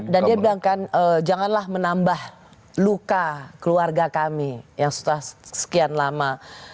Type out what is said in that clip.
dan dia bilangkan janganlah menambah luka keluarga kami yang sudah sekian lama